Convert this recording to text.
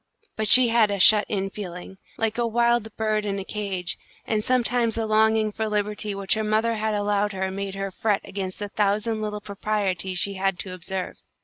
But she had a shut in feeling, like a wild bird in a cage, and sometimes the longing for liberty which her mother had allowed her made her fret against the thousand little proprieties she had to observe.